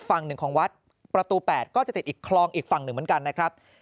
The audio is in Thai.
ฝั่งหนึ่งของวัดประตู๘ก็จะติดอีกคลองอีกฝั่งหนึ่งเหมือนกันนะครับ